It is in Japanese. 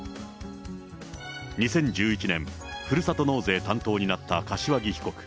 ２０１１年、ふるさと納税担当になった柏木被告。